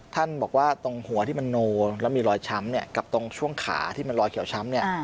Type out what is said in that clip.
ท่านบอกว่าตรงหัวที่มันโนแล้วมีรอยช้ำเนี่ยกับตรงช่วงขาที่มันรอยเขียวช้ำเนี่ย